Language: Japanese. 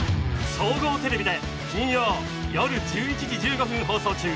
総合テレビで金曜夜１１時１５分放送中！